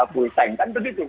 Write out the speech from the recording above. full tank kan begitu